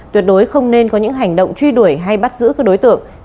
tuyệt đối không nên có những hành động truy đuổi hay bắt giữ các đối tượng